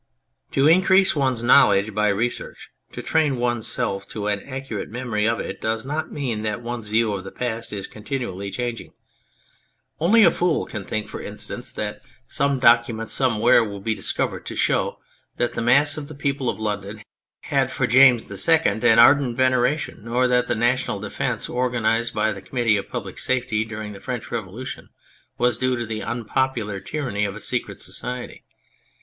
To increase one's knowledge by research, to train one's self to an accurate memory of it, does not mean that one's view of the past is continually changing. Only a fool can think, for instance, that 126 On the Method of History some document somewhere will be discovered to show that the mass of the people of London had for James II an ardent veneration, or that the national defence organised by the Committee of Public Safety during the French Revolution was due to the unpopular tyranny of a secret society.